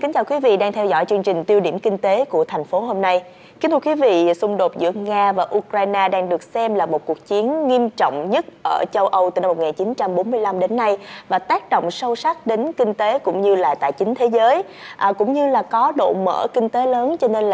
các bạn hãy đăng ký kênh để ủng hộ kênh của chúng mình nhé